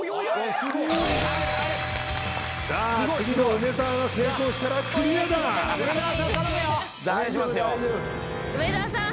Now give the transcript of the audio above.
さあ次の梅沢が成功したらクリアだ大丈夫大丈夫梅沢さん